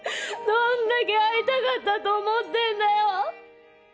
どんだけ会いたかったと思ってんだよ！